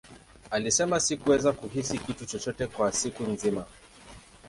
Alisema, Sikuweza kuhisi kitu chochote kwa siku nzima.